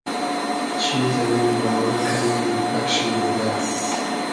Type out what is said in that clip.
چیز اللی باوئر کئنوم پئگ شی بودۂ